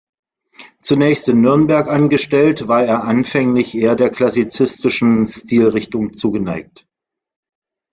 Zunächst in Nürnberg angestellt, war er anfänglich eher der klassizistischen Stilrichtung zugeneigt.